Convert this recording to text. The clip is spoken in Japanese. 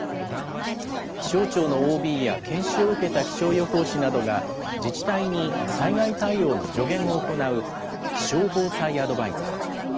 気象庁のＯＢや、研修を受けた気象予報士などが、自治体に災害対応の助言を行う、気象防災アドバイザー。